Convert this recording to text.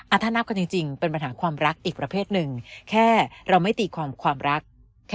ถ้านับกันจริงเป็นปัญหาความรักอีกประเภทหนึ่งแค่เราไม่ตีความความรัก